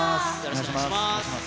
お願いします。